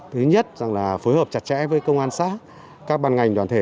thứ nhất là phối hợp chặt chẽ với công an xã các bàn ngành đoàn thể